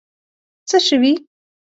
څه شوي.